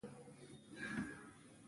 افغانان په اوسني دولت کې فردي ازادي نلري